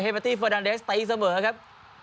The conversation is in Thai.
เฮเมตตี้เฟอร์ดันเดสตะอีกเสมอนะครับ